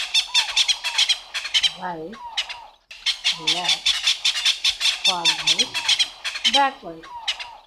When released on that compilation album, it earned gold discs abroad.